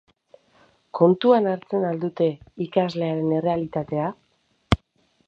Kontuan hartzen al dute ikaslearen errealitatea?